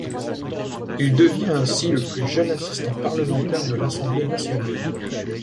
Il devient ainsi le plus jeune assistant parlementaire de l'Assemblée nationale.